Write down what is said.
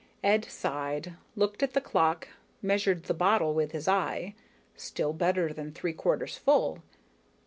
Ed sighed, looked at the clock, measured the bottle with his eye still better than three quarters full.